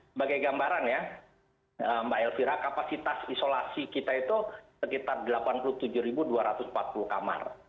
sebagai gambaran ya mbak elvira kapasitas isolasi kita itu sekitar delapan puluh tujuh dua ratus empat puluh kamar